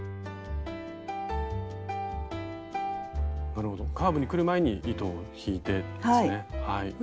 なるほどカーブに来る前に糸を引いてですね。